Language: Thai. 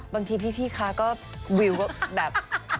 บางทีพี่คะก็วิวก็แบบ